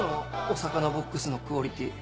お魚ボックスのクオリティー。